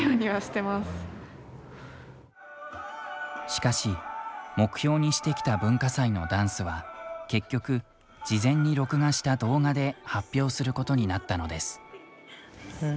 しかし、目標にしてきた文化祭のダンスは結局、事前に録画した動画で発表することになったのです。